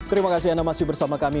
terima kasih anda masih bersama kami